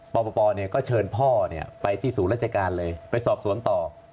ปปก็เชิญพ่อไปที่ศูนย์ราชการเลยไปสอบสวนต่อ